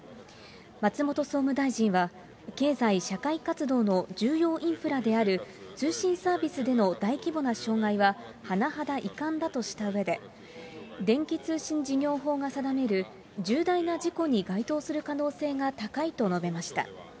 松本総務大臣は、経済・社会活動の重要インフラである通信サービスでの大規模な障害は、甚だ遺憾だとしたうえで、電気通信事業法が定める重大な事故に該当する可能性が高いと述べました。